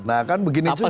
nah kan begini juga